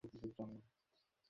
আল্লাহর শান তার অনেক উর্ধ্বে।